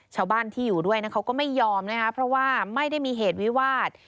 ชาวบ้านที่อยู่ด้วยนะเขาก็ไม่ยอมนะคะเพราะว่าไม่ได้มีเหตุวิวาส